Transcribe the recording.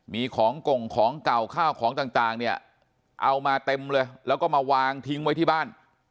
มีของกงของเก่าข้าวของต่างเนี่ยเอามาเต็มเลยแล้วก็มาวางทิ้งไว้ที่บ้าน